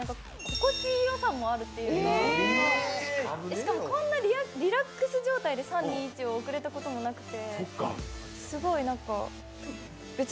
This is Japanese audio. しかも、こんなリラックス状態で３・２・１送れたことなくて。